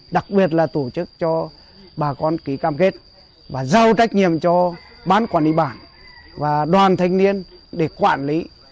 đặc biệt là tổ chức cho bà con ký cam kết và giao trách nhiệm cho bán quản lý bản và đoàn thanh niên để quản lý